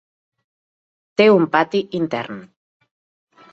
Té un pati intern.